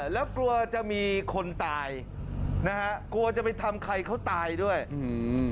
แล้วกลัวจะมีคนตายนะฮะกลัวจะไปทำใครเขาตายด้วยอืม